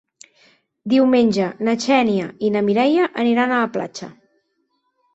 Diumenge na Xènia i na Mireia aniran a la platja.